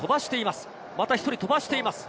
１人飛ばしています。